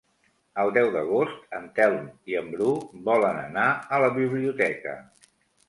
El deu d'agost en Telm i en Bru volen anar a la biblioteca.